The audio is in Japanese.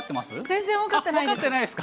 全然分かってないです。